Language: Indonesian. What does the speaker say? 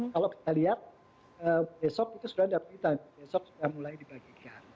kalau kita lihat besok itu sudah dapat kita besok sudah mulai dibagi